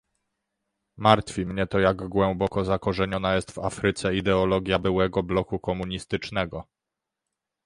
Martwi mnie to, jak głęboko zakorzeniona jest w Afryce ideologia byłego bloku komunistycznego